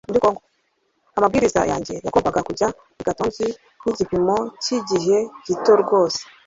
Amabwiriza yanjye yagombaga kujya i Gnatong nkigipimo cyigihe gito rwose